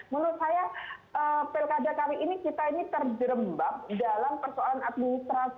menurut saya pilkada kali ini kita ini terjerembab dalam persoalan administrasi